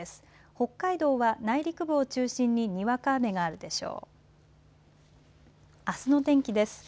北海道は内陸部を中心ににわか雨があるでしょう。